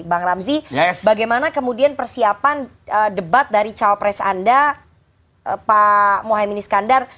bagaimana kemudian persiapan debat dari cawapres anda pak mohamad iskandar